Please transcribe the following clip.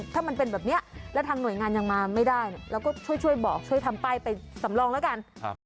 ถ้ามันเป็นแบบนี้แล้วทางหน่วยงานยังมาไม่ได้เราก็ช่วยบอกช่วยทำป้ายไปสำรองแล้วกัน